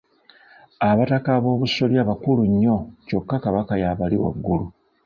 Abataka aboobusolya bakulu nnyo kyokka Kabaka y’abali waggulu.